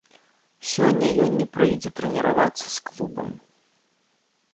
Сёння ён не прыйдзе трэніравацца з клубам.